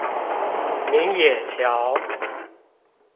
明野橋